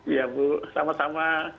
iya bu selamat selamat